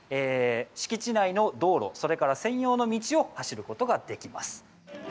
敷地内の道路、それから専用の道を走ることができます。